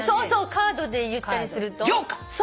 カードで言ったりすると？